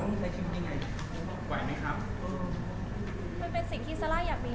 คุณต้องพาไปดูเรียนเราเหนื่อยค่ะเราต้องใช้ชีวิตยังไง